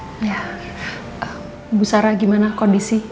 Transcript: ibu sara gimana kondisi